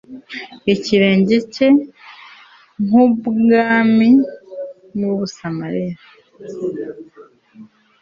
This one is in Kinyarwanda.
Ikirenge cye nkumwambi wubusa Mariya